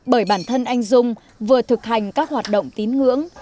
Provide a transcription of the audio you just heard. bởi bản thân anh dung vừa thực hành các hoạt động tín ngưỡng